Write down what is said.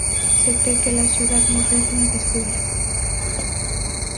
Se cree que la ciudad moderna de Zula.